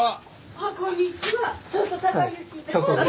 あっこんにちは。